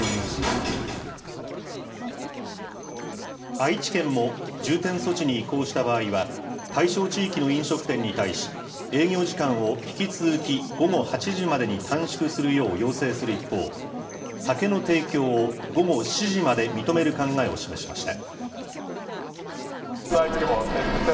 愛知県も重点措置に移行した場合は、対象地域の飲食店に対し、営業時間を引き続き午後８時までに短縮するよう要請する一方、酒の提供を午後７時まで認める考えを示しました。